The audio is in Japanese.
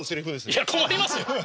いや困りますよ。